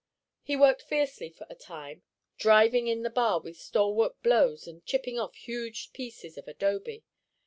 He worked fiercely for a time, driving in the bar with stalwart blows and chipping off huge pieces of adobe.